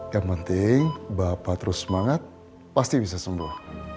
yang penting bapak terus semangat pasti bisa sembuh